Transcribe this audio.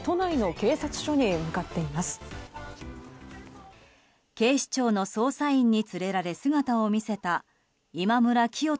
警視庁の捜査員に連れられ姿を見せた今村磨人